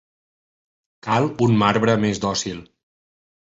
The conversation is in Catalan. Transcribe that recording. Cal un marbre més dòcil.